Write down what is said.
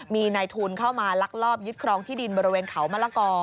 มีนายทุนเข้ามาลักลอบยึดครองที่ดินบริเวณเขามะละกอ